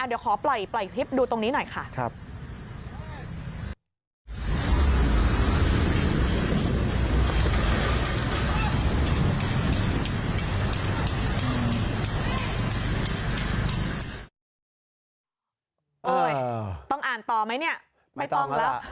เดี๋ยวขอปล่อยคลิปดูตรงนี้หน่อยค่ะค่ะโอ้ยต้องอ่านต่อไหมเนี่ยไม่ต้องแล้ว